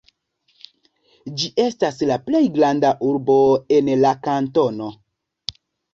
Ĝi estas la plej granda urbo en la kantono.